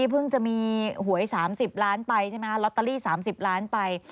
เพิ่งจะมีหวย๓๐ล้านไปใช่ไหมคะลอตเตอรี่๓๐ล้านไป